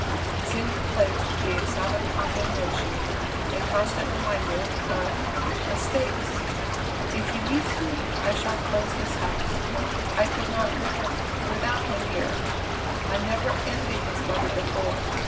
His empty place would be a silent condemnation, a constant reminder, of mistakes." "If he leaves me, I shall close this house. I could not live without him here. I never envied his mother before.